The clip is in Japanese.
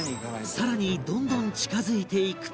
さらにどんどん近づいていくと